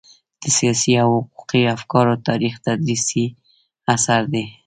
د سياسي او حقوقي افکارو تاریخ تدريسي اثر دی.